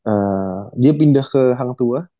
eh dia pindah ke hang tua